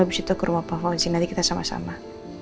abis itu ke rumah pak fawzi nanti kita sama sama